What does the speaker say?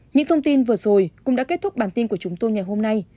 những thông tin vừa rồi cũng đã kết thúc bản tin của chúng tôi ngày hôm nay